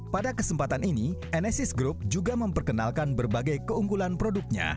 pada kesempatan ini enesis group juga memperkenalkan berbagai keunggulan produknya